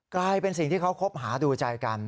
กลายเป็นสิ่งที่เขาคบหาดูใจกัน